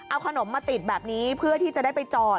เอาขนมมาติดแบบนี้เพื่อที่จะได้ไปจอด